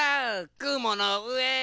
くものうえ！